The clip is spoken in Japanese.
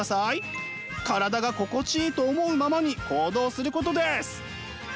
体が心地いいと思うままに行動することです。